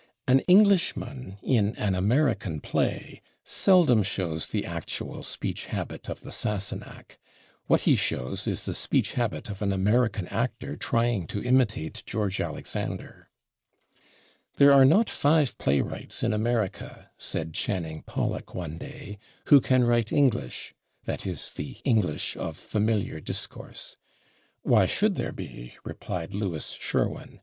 An Englishman, in an American play, seldom shows the actual speech habit of the Sassenach; what he shows is the speech habit of an American actor trying to imitate George Alexander. "There are not five playwrights in America," said Channing Pollock one day, "who can write English" that is, the English of familiar discourse. "Why should there be?" replied Louis Sherwin.